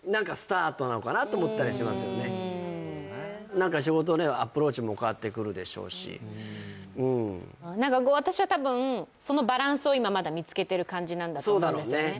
何か仕事でのアプローチも変わってくるでしょうし何か私はたぶんそのバランスを今まだ見つけている感じなんだと思うんですよね